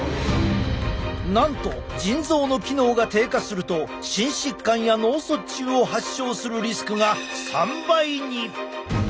なんと腎臓の機能が低下すると心疾患や脳卒中を発症するリスクが３倍に！